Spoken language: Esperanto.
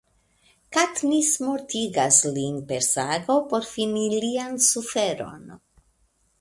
Katniss mortigas lin per sago por fini lian suferon.